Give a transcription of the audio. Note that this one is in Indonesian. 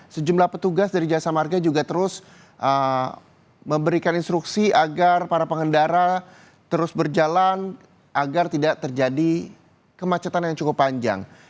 sejumlah petugas dari jasa marga juga terus memberikan instruksi agar para pengendara terus berjalan agar tidak terjadi kemacetan yang cukup panjang